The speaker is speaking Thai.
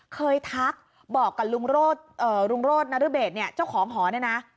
ทักบอกกับลุงโรธนรเบศเนี่ยเจ้าของหอเนี่ยนะ